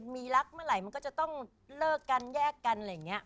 มีรักเมื่อไหร่มันก็จะต้องเลิกกันแยกกันอะไรอย่างนี้